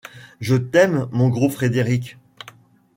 je t’aime, mon gros Frédéric...